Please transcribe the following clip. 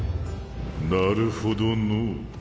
なるほどのう。